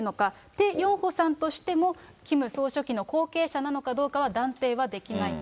テ・ヨンホさんとしても、キム総書記の後継者なのかどうかは断定はできないと。